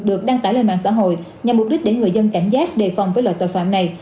được đăng tải lên mạng xã hội nhằm mục đích để người dân cảnh giác đề phòng với loại tội phạm này